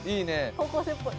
高校生っぽい。